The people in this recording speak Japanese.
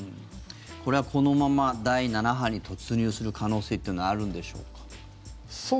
これはこのまま第７波に突入する可能性というのはあるのでしょうか。